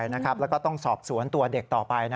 แล้วก็ต้องสอบสวนตัวเด็กต่อไป